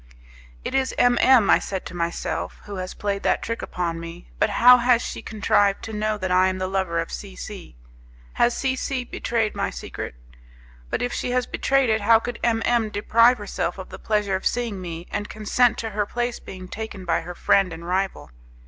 It is M M , I said to myself, who has played that trick upon me, but how has she contrived to know that I am the lover of C C ? Has C C betrayed my secret? But if she has betrayed it, how could M M deprive herself of the pleasure of seeing me, and consent to her place being taken by her friend and rival?